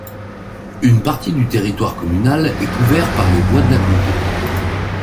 Une partie du territoire communal est couvert par les Bois de la Comté.